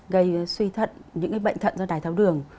gây suy thận những cái bệnh thận do đai tháo đường